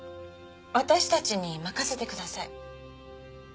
私たちに任せてください。